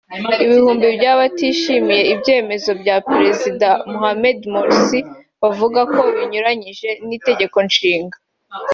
Ibihumbi by’abatishimiye ibyemezo bya Perezida Mohammed Morsi bavuga ko binyuranyije n’itegekonshinga